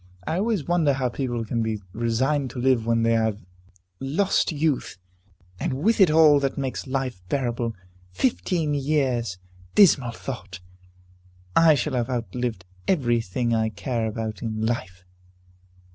I always wonder how people can be resigned to live, when they have lost youth, and with it all that makes life bearable! Fifteen years! Dismal thought! I shall have outlived every thing I care about in life!"